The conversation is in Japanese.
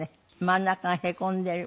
真ん中がへこんでる。